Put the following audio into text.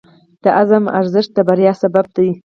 د عزم ارزښت د بریا سبب دی.